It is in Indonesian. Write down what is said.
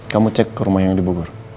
kamu cek ke rumah yang di bogor